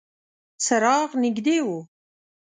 څراغ نږدې و.